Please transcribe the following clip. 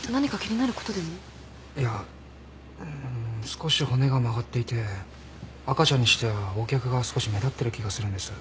少し骨が曲がっていて赤ちゃんにしてはＯ脚が少し目立ってる気がするんです。